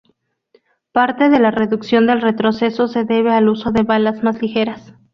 Parte de la reducción del retroceso se debe al uso de balas más ligeras.